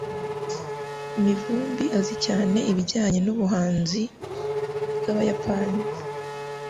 Mivumbi azi cyane ibijyanye nubuhanzi bwabayapani.